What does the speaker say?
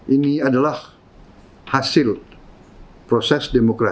ini adalah hasil proses demokrasi